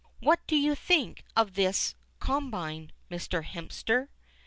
"What do you think of this combine, Mr. Hemster?"